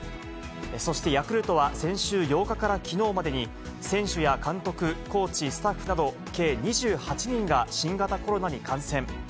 そして、ヤクルトは先週８日からきのうまでに、選手や監督、コーチ、スタッフなど、計２８人が新型コロナに感染。